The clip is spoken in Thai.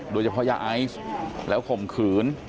โดยเฉพาะยาไอซ์แล้วข่มขืน